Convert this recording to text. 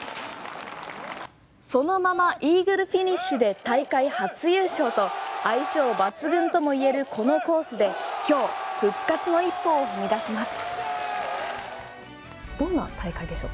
そのままイーグルフィニッシュで大会初優勝と相性抜群ともいえるこのコースで今日復活の一歩を踏み出します。